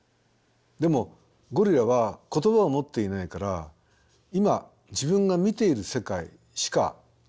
でもゴリラは言葉を持っていないから今自分が見ている世界しか共有できない。